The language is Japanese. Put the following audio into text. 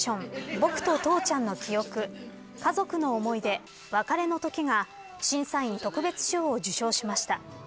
僕と父ちゃんの記憶家族の思い出別れの時が審査員特別賞を受賞しました。